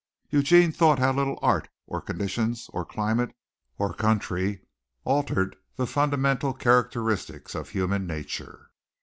Eugene thought how little art or conditions or climate or country altered the fundamental characteristics of human nature.